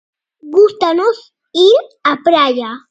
Gústanos ir á praia.